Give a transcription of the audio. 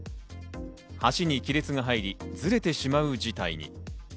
橋に亀裂が入り、ずれてしまう事態に。